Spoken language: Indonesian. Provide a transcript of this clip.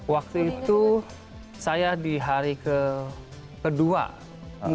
waktu itu saya di hari kedua